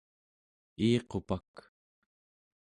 iiqupak